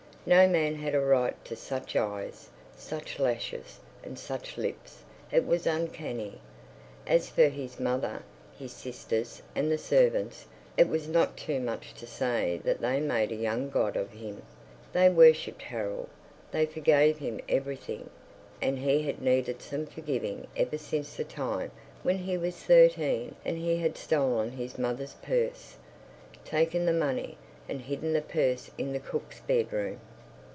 No man had a right to such eyes, such lashes, and such lips; it was uncanny. As for his mother, his sisters, and the servants, it was not too much to say they made a young god of him; they worshipped Harold, they forgave him everything; and he had needed some forgiving ever since the time when he was thirteen and he had stolen his mother's purse, taken the money, and hidden the purse in the cook's bedroom.